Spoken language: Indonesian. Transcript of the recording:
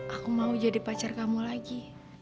aku mau jadi pacar kamu lagi